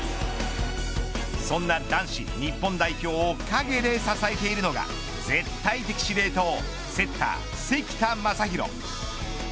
そんな男子日本代表を陰で支えているのが絶対的司令塔セッター、関田誠大。